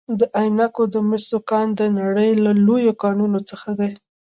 د عینک د مسو کان د نړۍ له لویو کانونو څخه دی.